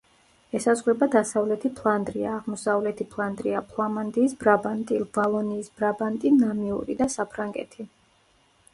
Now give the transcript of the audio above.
ესაზღვრება დასავლეთი ფლანდრია, აღმოსავლეთი ფლანდრია, ფლამანდიის ბრაბანტი, ვალონიის ბრაბანტი, ნამიური და საფრანგეთი.